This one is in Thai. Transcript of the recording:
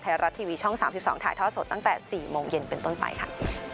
ไทยรัฐทีวีช่อง๓๒ถ่ายท่อสดตั้งแต่๔โมงเย็นเป็นต้นไปค่ะ